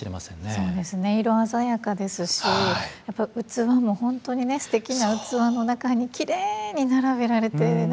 そうですね色鮮やかですしやっぱ器も本当にすてきな器の中にきれいに並べられてね。